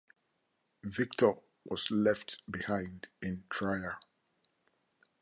Victor was left behind in Trier.